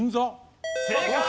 正解！